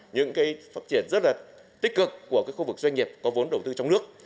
những phát triển rất tích cực của khu vực doanh nghiệp có vốn đầu tư trong nước